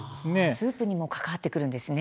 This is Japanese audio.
スープにも関わってくるんですね。